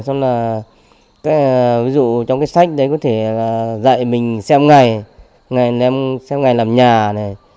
xong là ví dụ trong cái sách đấy có thể dạy mình xem ngày xem ngày làm nhà này